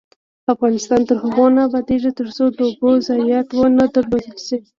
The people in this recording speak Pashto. افغانستان تر هغو نه ابادیږي، ترڅو د اوبو ضایعات ونه درول شي.